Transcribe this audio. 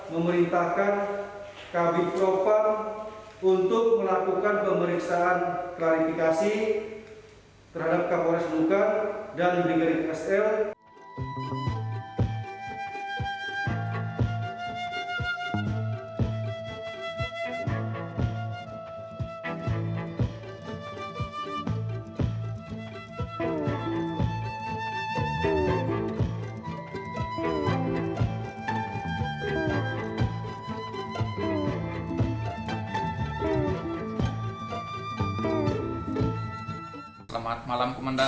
memerintahkan kabupaten propang untuk melakukan pemeriksaan klarifikasi terhadap kapolres luka dan negeri sl